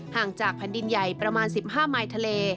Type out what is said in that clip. ห่างจากแผ่นดินใหญ่ประมาณ๑๕มายทะเล